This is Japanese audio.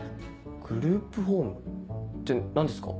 グループホームって何ですか？